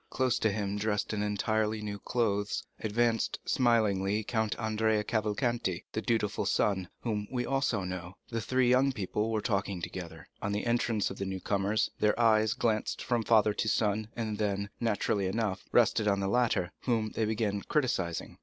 Close to him, dressed in entirely new clothes, advanced smilingly Count Andrea Cavalcanti, the dutiful son, whom we also know. The three young people were talking together. On the entrance of the new comers, their eyes glanced from father to son, and then, naturally enough, rested on the latter, whom they began criticising.